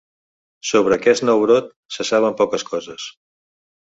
Sobre aquest nou brot se saben poques coses.